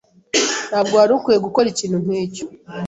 Ntabwo wari ukwiye gukora ikintu nkicyo.